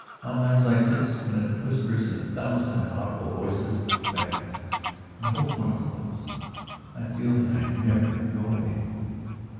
On nights like this, when it whispers in a thousand inaudible voices, and beckons and holds one close, I feel that I never can go away.